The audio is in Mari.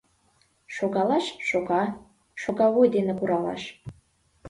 Шогалаш — шога, шогавуй дене куралаш.